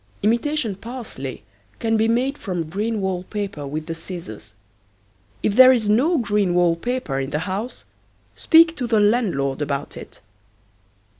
Imitation parsley can be made from green wall paper with the scissors. If there is no green wall paper in the house speak to the landlord about it.